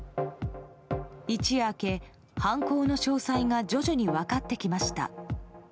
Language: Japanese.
一夜明け、犯行の詳細が徐々に分かってきました。